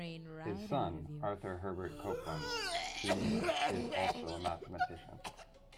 His son, Arthur Herbert Copeland, Junior is also a mathematician.